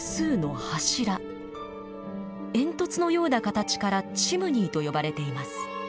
煙突のような形からチムニーと呼ばれています。